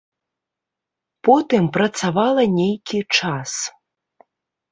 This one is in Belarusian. Потым працавала нейкі час.